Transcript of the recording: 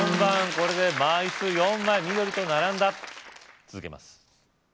これで枚数４枚緑と並んだ続けます